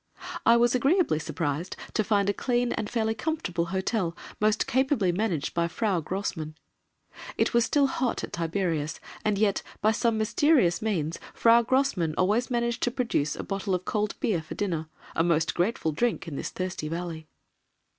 I was agreeably surprised to find a clean and fairly comfortable hotel, most capably managed by Frau Grossmann. It was still hot at Tiberias, and yet, by some mysterious means, Frau Grossmann always managed to produce a bottle of cold beer for dinner, a most grateful drink in this thirsty valley.